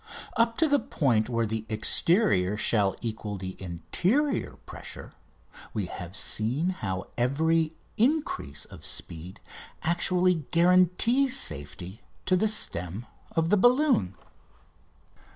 Up to the point where the exterior shall equal the interior pressure we have seen how every increase of speed actually guarantees safety to the stem of the balloon.